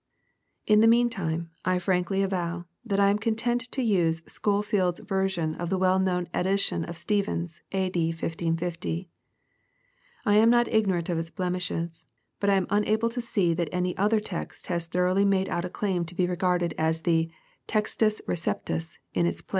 * In the mean time, I frankly avow, that I am content to use Scholefield's version of the well known edition of Stephens, a. d. 1550. I am not ignorant of its blemishes ; but I am unable to see that any other text has thoroughly made out a claim to be regarded as the " textus receptus'' in its place.